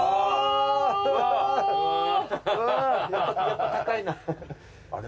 やっぱ高いな。